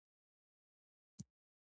هغوی د حکمتیار د تخرګ خرېیل شوي وېښته دي.